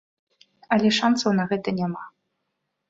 Але шанцаў на гэта няма.